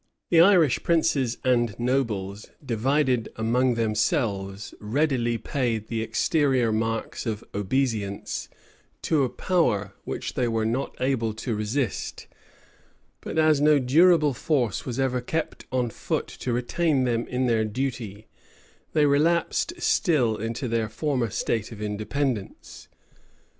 The Irish princes and nobles, divided among themselves, readily paid the exterior marks of obeisance to a power which they were not able to resist; but, as no durable force was ever kept on foot to retain them in their duty, they relapsed still into their former state of independence.